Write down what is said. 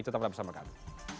tetap bersama kami